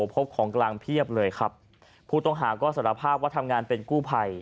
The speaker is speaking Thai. พบของกลางเพียบเลยครับผู้ต้องหาก็สารภาพว่าทำงานเป็นกู้ภัย